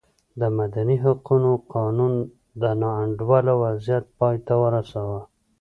د مدني حقونو قانون دا نا انډوله وضعیت پای ته ورساوه.